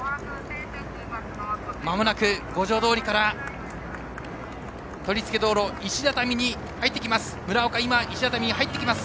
まもなく五条通から取り付け道路、石畳に入る。